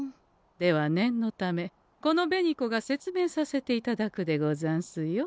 では念のためこの紅子が説明させていただくでござんすよ。